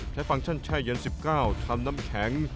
ฟังก์ชั่นแช่เย็น๑๙ทำน้ำแข็ง